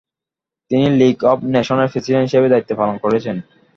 তিনি league of নেশন্সের president হিসাবে দায়িত্ব পালন করেছেন।